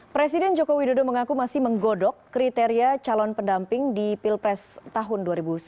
presiden joko widodo mengaku masih menggodok kriteria calon pendamping di pilpres tahun dua ribu sembilan belas